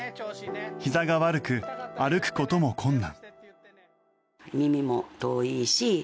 ひざが悪く歩くことも困難。